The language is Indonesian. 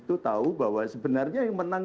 itu tahu bahwa sebenarnya yang menang